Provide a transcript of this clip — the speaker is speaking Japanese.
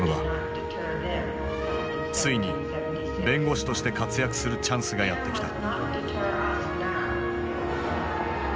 ついに弁護士として活躍するチャンスがやって来た。